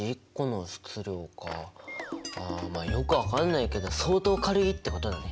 まあよく分かんないけど相当軽いってことだね。